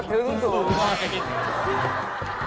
ซึ้งสูบค่อย